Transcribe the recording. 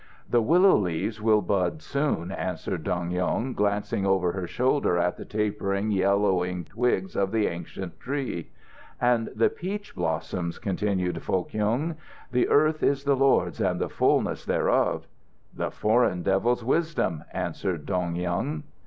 "The willow leaves will bud soon," answered Dong Yung, glancing over her shoulder at the tapering, yellowing twigs of the ancient tree. "And the beech blossoms," continued Foh Kyung. "'The earth is the Lord's, and the fullness thereof.'" "The foreign devil's wisdom," answered Dong Yung.